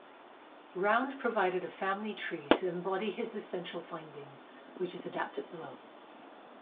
Round provided a family tree to embody his essential findings, which is adapted below.